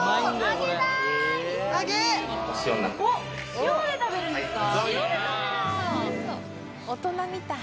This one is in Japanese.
塩で食べるんですか！